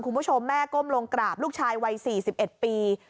คุณผู้ชมแม่ก้มลงกราบลูกชายวัยสี่สิบเอ็ดปี